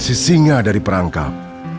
sisinga menangkap perangkap